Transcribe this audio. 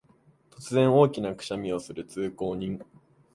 突然、大きなくしゃみをする通行人